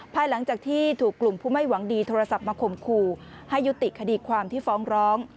ภายหลังจากที่ถูกกลุ่มผู้ไม่หวังดีโทรศัพท์มาข่มขู่ให้ยุติคดีความที่ฟ้องร้อง